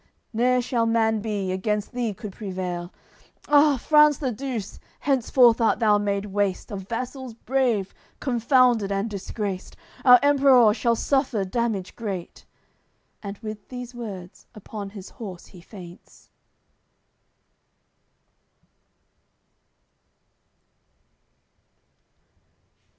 Neer shall man be, against thee could prevail. Ah! France the Douce, henceforth art thou made waste Of vassals brave, confounded and disgraced! Our Emperour shall suffer damage great." And with these words upon his horse he faints.